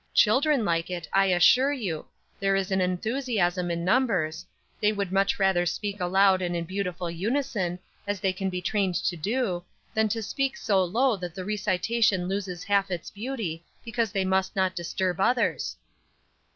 Children like it, I assure you; there is an enthusiasm in numbers; they would much rather speak aloud and in beautiful unison, as they can be trained to do, than to speak so low that the recitation loses half its beauty, because they must not disturb others.